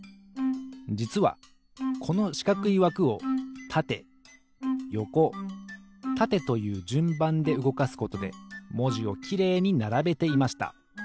じつはこのしかくいわくをたてよこたてというじゅんばんでうごかすことでもじをきれいにならべていました。